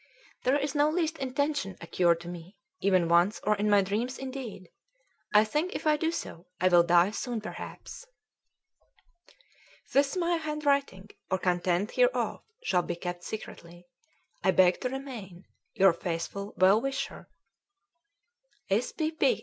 ] there is no least intention occurred to me even once or in my dream indeed! I think if I do so, I will die soon perhaps! "This my handwriting or content hereof shall be kept secretly. "I beg to remain "Your faithful & well wisher "S. P. P.